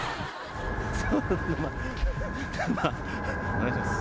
お願いします。